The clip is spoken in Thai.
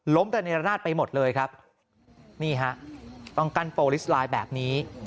ระเนรนาศไปหมดเลยครับนี่ฮะต้องกั้นโปรลิสไลน์แบบนี้